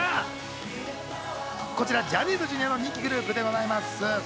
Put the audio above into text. こちらジャニーズＪｒ．の人気グループでございます。